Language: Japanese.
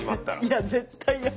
いや絶対嫌だ。